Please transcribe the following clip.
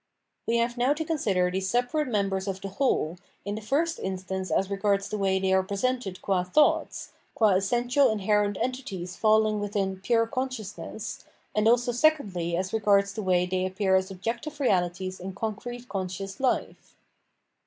We have now to consider these separate members 500 PTienomenologi/ of Mind of tlie whole, in the first instance as regards the way they are presented qm thoughts, qua essential inherent entities falling within pure consciousness, and also secondly as regards the way they appear as objective reahties in concrete conscious hfe.